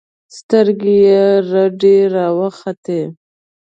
سترګې يې رډې راوختې.